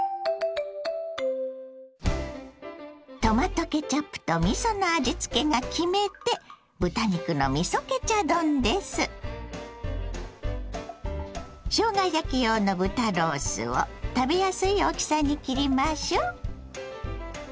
トマトケチャップとみその味付けが決め手しょうが焼き用の豚ロースを食べやすい大きさに切りましょう。